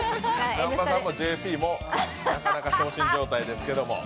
南波さんもＪＰも、なかなか傷心状態ですけども。